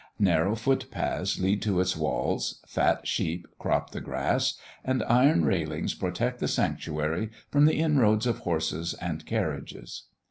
Narrow foot paths lead to its walls; fat sheep crop the grass; and iron railings protect the sanctuary from the inroads of horses and carriages.